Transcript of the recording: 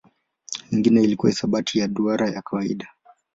Nyingine ilikuwa hisabati ya duara ya kawaida.